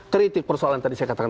kritik persoalan yang tadi saya katakan